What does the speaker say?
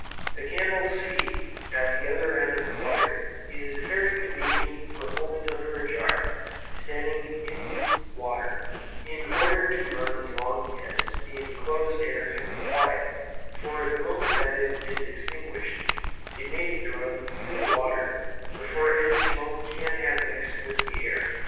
The candle c, at the other end of the wire is very convenient for holding under a jar standing in water, in order to burn as long as the inclosed air can supply it; for the moment that it is extinguished, it may be drawn through the water before any smoke can have mixed with the air.